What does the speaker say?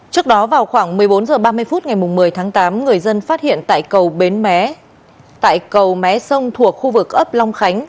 trước đó vào khoảng một mươi bốn h ba mươi phút ngày một mươi tháng tám người dân phát hiện tại cầu bến tại cầu mé sông thuộc khu vực ấp long khánh